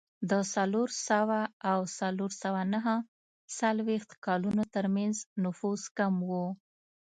د څلور سوه او څلور سوه نهه څلوېښت کلونو ترمنځ نفوس کم و